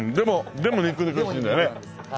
でも肉々しいんだよね。